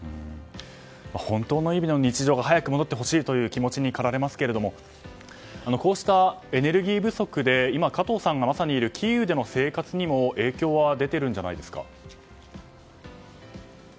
本当の意味での日常が早く戻ってほしいという気持ちにかられますけどこうしたエネルギー不足で加藤さんがいるキーウにも生活にも影響は出ているんじゃないでしょうか？